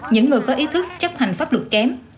những người có ý thức chấp hành pháp luật kém